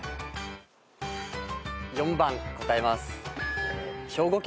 ４番答えます。